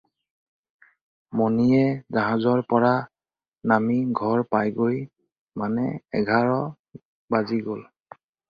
মণিয়ে জাহাজৰ পৰা নামি ঘৰ পায়গৈ মানে এঘাৰ বাজি গ'ল।